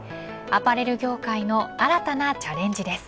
アパレル業界の新たなチャレンジです。